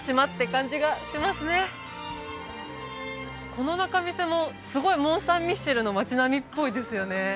この仲見世もすごいモン・サン・ミッシェルの町並みっぽいですよね